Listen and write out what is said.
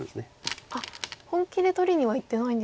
あっ本気で取りにはいってないんですか。